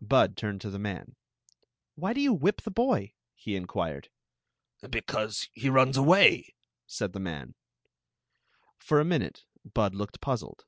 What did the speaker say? Bud turned to the man. " Why do you whip the boy ?" he inquired. " Because he runs away, said the man. For a minute Bud looked puzzled.